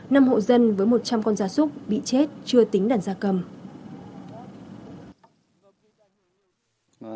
năm hộ dân với một trăm linh con da súc bị chết chưa tính đảm gia cầm